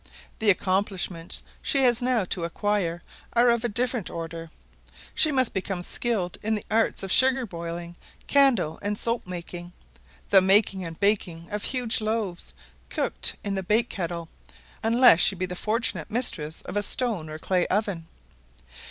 The accomplishments she has now to acquire are of a different order: she must become skilled in the arts of sugar boiling, candle and soap making, the making and baking of huge loaves, cooked in the bake kettle, unless she be the fortunate mistress of a stone or clay oven.